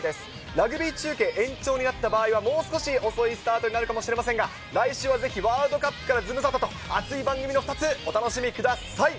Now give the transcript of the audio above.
ラグビー中継延長になった場合はもう少し遅いスタートになるかもしれませんが、来週はぜひワールドカップからズムサタと、熱い番組の２つ、お楽しみください。